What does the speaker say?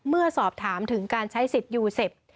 เมื่อสอบถามถึงการใช้สิทธิ์ยูเซฟ